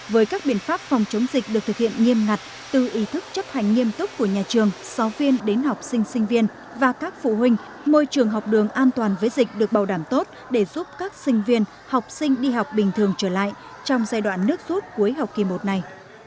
với các biện pháp phòng chống dịch được thực hiện nghiêm ngặt từ ý thức chấp hành nghiêm túc của nhà trường giáo viên đến học sinh sinh viên và các phụ huynh môi trường học đường an toàn với dịch được bảo đảm tốt để giúp các sinh viên học sinh đi học bình thường trở lại trong giai đoạn nước suốt cuối học kỳ một này